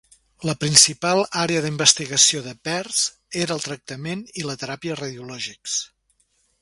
La principal àrea d'investigació de Perthes era el tractament i la teràpia radiològics.